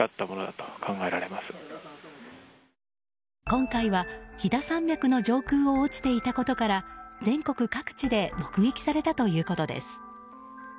今回は飛騨山脈の上空を落ちていたことから全国各地で目撃されたということです。